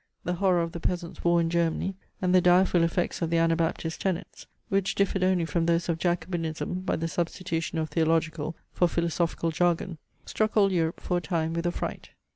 The horror of the Peasants' war in Germany, and the direful effects of the Anabaptists' tenets, (which differed only from those of jacobinism by the substitution of theological for philosophical jargon,) struck all Europe for a time with affright.